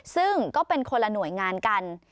ซึ่งก็เป็นคนละหน่วยงานกัน